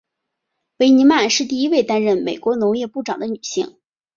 维尼曼是第一位担任美国农业部长的女性。